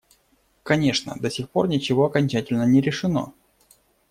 Конечно, до сих пор ничего окончательно не решено.